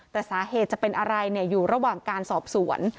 แต่สาเหตุจะเป็นอะไรอยู่ระหว่างการสอบสวน